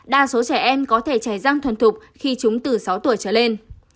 đa số trẻ em có thể trải răng thuần thục khi chúng từ sáu tuổi trở lên